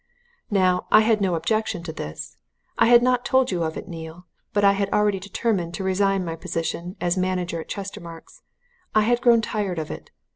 "Now, I had no objection to this. I had not told you of it, Neale, but I had already determined to resign my position as manager at Chestermarke's. I had grown tired of it.